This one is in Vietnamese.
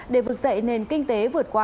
để vực dậy nền kinh tế vượt qua